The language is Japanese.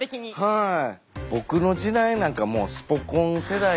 はい。